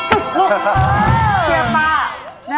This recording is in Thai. ลูกเกือบป๊า